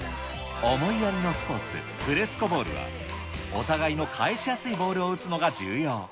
思いやりのスポーツ、フレスコボールは、お互いの返しやすいボールを打つのが重要。